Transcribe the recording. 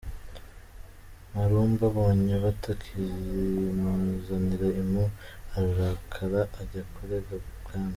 Marumba abonye batakimuzanira impu, ararakara ajya kurega ibwami.